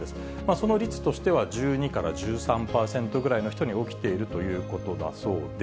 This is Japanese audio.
その率としては１２から１３％ぐらいの人に起きているということだそうで。